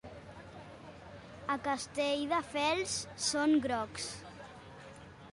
A Castelldefels són grocs.